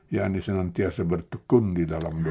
yang disenantiasa bertekun di dalam doa